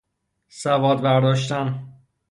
سواد برداشتن